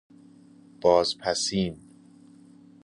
باز پسین